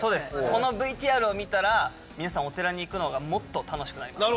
このＶＴＲ見たら、皆さん、お寺に行くのがもっと楽しくなります。